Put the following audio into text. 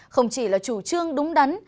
không chỉ là chủ trương đúng đắn